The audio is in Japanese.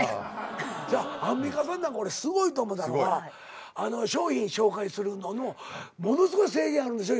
アンミカさんなんか俺すごいと思ったのが商品紹介するののものすごい制限あるんでしょ？